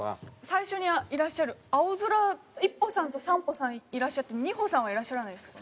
最初にいらっしゃる青空一歩さんと三歩さんいらっしゃって二歩さんはいらっしゃらないんですか？